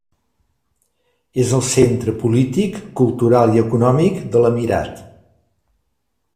És el centre polític, cultural i econòmic de l'emirat.